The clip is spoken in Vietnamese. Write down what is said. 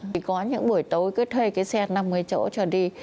thì có những buổi tối cứ thuê cái xe năm mươi chỗ trở đi